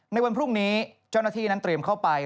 ในวันพรุ่งนี้เจ้าหน้าที่นั้นเตรียมเข้าไป